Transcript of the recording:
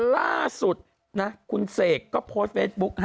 ล่าสุดนะคุณเสกก็โพสต์เฟซบุ๊ก